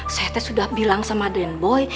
saya teh sudah bilang sama denboy